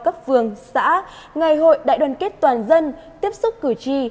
các phương xã ngày hội đại đoàn kết toàn dân tiếp xúc cử tri